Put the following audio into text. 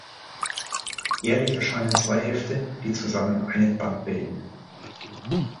Jährlich erscheinen zwei Hefte, die zusammen einen Band bilden.